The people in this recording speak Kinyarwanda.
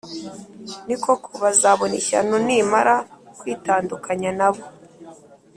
ni koko, bazabona ishyano nimara kwitandukanya na bo!